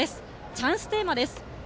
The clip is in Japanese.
チャンステーマです。